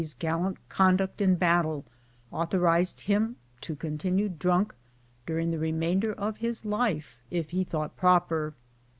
's gallant conduct in battle authorized him to continue drunk during the remainder of his life, if he thought proper.